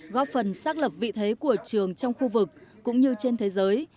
góp phần xác lập vị thế của trường trong khu vực cũng như trên thế giới